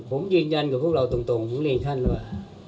ผมยืนยันกับพวกเราตรงผมเรียนท่านว่า